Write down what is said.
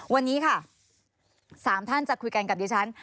วันนี้ค่ะ๓ท่านจะคุยกันกับดิฉัน